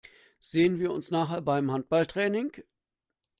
Sehen wir uns nachher beim Handballtraining?